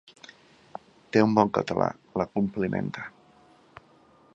Té un bon català —la complimenta—.